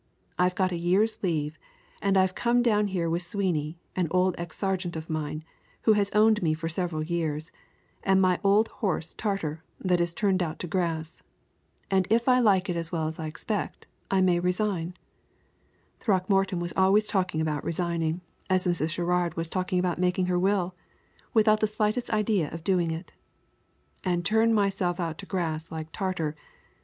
I've got a year's leave, and I've come down here with Sweeney, an old ex sergeant of mine, who has owned me for several years, and my old horse Tartar, that is turned out to grass; and if I like it as well as I expect, I may resign" Throckmorton was always talking about resigning, as Mrs. Sherrard was about making her will, without the slightest idea of doing it "and turn myself out to grass like Tartar.